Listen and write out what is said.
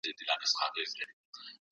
ژوند تېرېدونکی دی خو ښه نوم پاته کیږي.